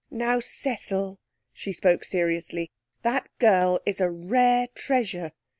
Now, Cecil,' she spoke seriously, 'that girl is a rare treasure.